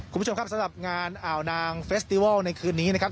คุณผู้ชมครับสำหรับงานอ่าวนางเฟสติวัลในคืนนี้นะครับ